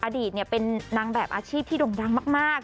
อดีตเป็นนางแบบอาชีพที่ด่งดังมาก